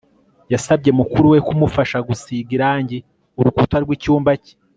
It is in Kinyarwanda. yasabye mukuru we kumufasha gusiga irangi urukuta rwicyumba cye